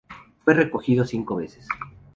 Fue reelegido cinco veces.